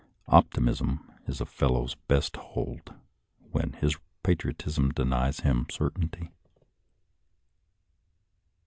Optimism is a fellow's best hold when his patriotism denies him certainty.